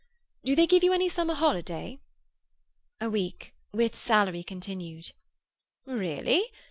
Do they give you any summer holiday?" "A week, with salary continued." "Really?